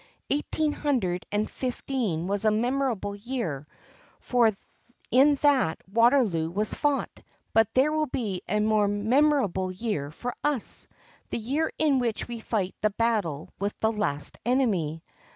Eighteen hundred and fifteen was a memorable year, for in that Waterloo was fought; but there will be a more memorable year for us—the year in which we fight the battle with the last enemy.